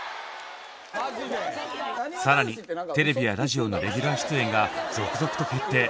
更にテレビやラジオのレギュラー出演が続々と決定。